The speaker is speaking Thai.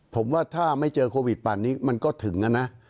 ผมว่าถ้าไม่เจอโควิดป่านนี้มันก็ถึงนะ